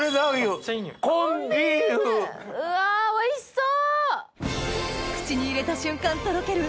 うわおいしそう！